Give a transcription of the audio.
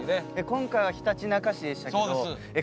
今回はひたちなか市でしたけどえ